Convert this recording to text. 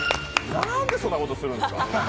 なーんで、そんなことするんですか！